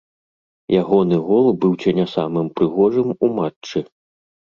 Ягоны гол быў ці не самым прыгожым у матчы.